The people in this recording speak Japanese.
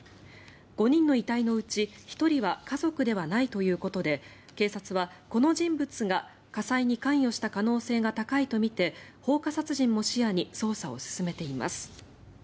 ５人の遺体のうち１人は家族ではないということで警察は、この人物が火災に関与した可能性が高いとみて放火殺人も視野に捜査を進めています。